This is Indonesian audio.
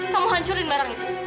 kamu hancurin barang itu